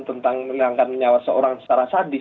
tentang menghilangkan nyawa seorang secara sadis